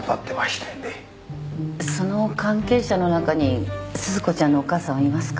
その関係者の中に鈴子ちゃんのお母さんはいますか？